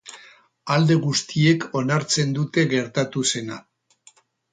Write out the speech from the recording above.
Alde guztiek onartzen dute gertatu zena.